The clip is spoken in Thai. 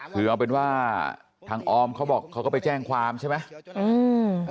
คือเอาเป็นว่าทางออมเขาบอกเขาก็ไปแจ้งความใช่ไหม